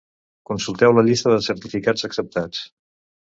Consulteu la llista de certificats acceptats.